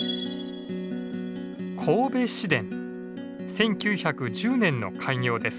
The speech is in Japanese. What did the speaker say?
１９１０年の開業です。